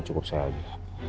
cukup saya aja